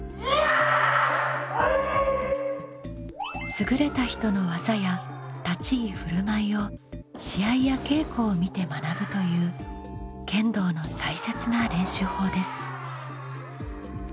優れた人の技や立ち居振る舞いを試合や稽古を見て学ぶという剣道の大切な練習法です。